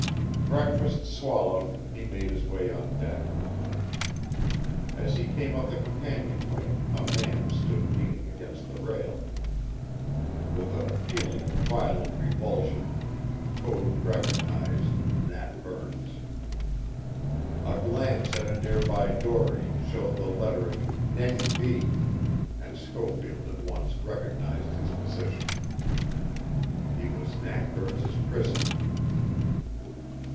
Breakfast swallowed, he made his way on deck. As he came up the companionway a man stood leaning against the rail. With a feeling of violent revulsion, Code recognized Nat Burns. A glance at a near by dory showed the lettering Nettie B., and Schofield at once recognized his position. He was Nat Burns's prisoner.